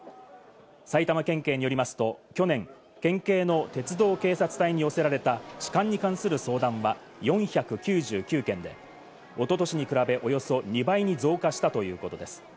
埼玉県警によりますと、去年、県警の鉄道警察隊に寄せられた痴漢に関する相談は４９９件で、おととしに比べおよそ２倍に増加したということです。